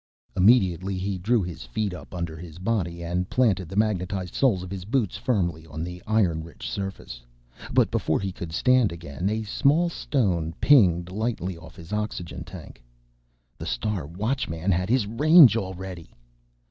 Immediately he drew his feet up under his body and planted the magnetized soles of his boots firmly on the iron rich surface. But before he could stand again, a small stone pinged lightly off his oxygen tank. The Star Watchman had his range already!